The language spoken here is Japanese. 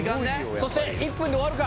そして１分で終わるか？